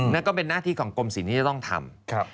นั่นก็เป็นหน้าที่ของกรมศิลป์ที่จะต้องทำ